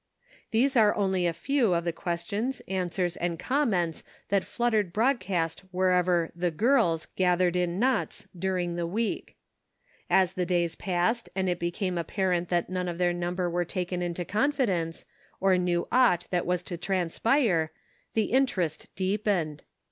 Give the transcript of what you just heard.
These are only a few of the questions answers and comments that fluttered broad cast wherever "the girls," gathered in knots during the week. As the days passed and it became apparent that none of their number were taken into confidence, or knew aught 234 The Pocket Measure. that was to transpire the interest deepened.